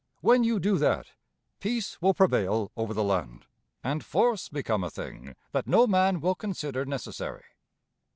When you do that, peace will prevail over the land, and force become a thing that no man will consider necessary.